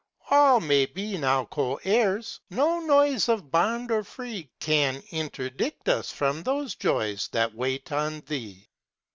All may be now co heirs ; no noise âĒ Of bond or free Can interdict us from those joys That wait on thee.